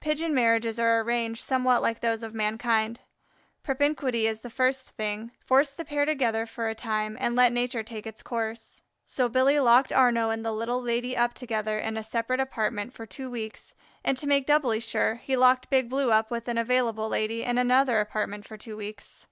Pigeon marriages are arranged somewhat like those of mankind. Propinquity is the first thing: force the pair together for a time and let nature take its course. So Billy locked Arnaux and the Little Lady up together in a separate apartment for two weeks, and to make doubly sure he locked Big Blue up with an Available Lady in another apartment for two weeks.